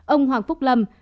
ông hoàng phúc lâm